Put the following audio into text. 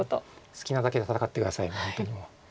好きなだけ戦って下さい本当にもう。